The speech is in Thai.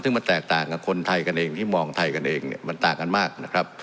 ซึ่งมันแตกต่างกับคนไทยกันเองที่มองไทยกันเองเนี่ยมันต่างกันมากนะครับ